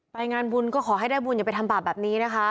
งานบุญก็ขอให้ได้บุญอย่าไปทำบาปแบบนี้นะคะ